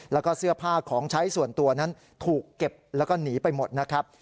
แล้วก็เสื้อผ้าของใช้ส่วนตัวนั้นถูกเก็บแล้วก็หนีไปหมดนะครับ